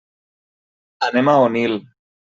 Anem a Onil.